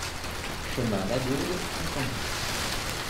Chemin Lagourgue, Saint-André